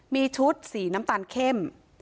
มีชุดสีน้ำตาลเข้ม